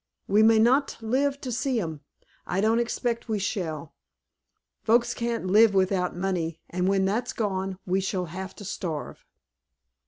We mayn't live to see 'em. I don't expect we shall. Folks can't live without money, and when that's gone we shall have to starve."